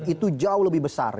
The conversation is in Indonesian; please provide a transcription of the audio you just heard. itu jauh lebih besar